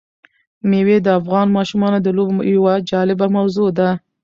مېوې د افغان ماشومانو د لوبو یوه جالبه موضوع ده.